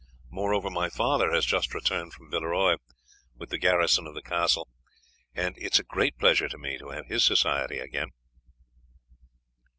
Moreover, my father has just returned from Villeroy with the garrison of the castle, and it is a great pleasure to me to have his society again."